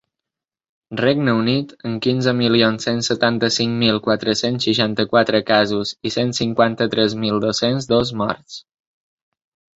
Regne Unit, amb quinze milions cent setanta-cinc mil quatre-cents seixanta-quatre casos i cent cinquanta-tres mil dos-cents dos morts.